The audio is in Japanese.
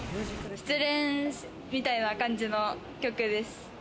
失恋みたいな感じの曲です。